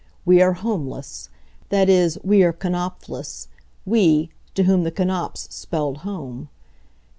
We are homeless. That is, we are Knapfless we, to whom the Knapfs spelled home.